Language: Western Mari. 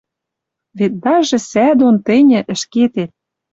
Вет даже сӓ дон тӹньӹ ӹшкетет